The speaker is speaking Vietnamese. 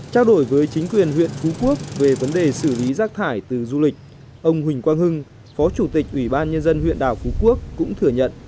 trao đổi với chính quyền huyện phú quốc về vấn đề xử lý rác thải từ du lịch ông huỳnh quang hưng phó chủ tịch ủy ban nhân dân huyện đảo phú quốc cũng thừa nhận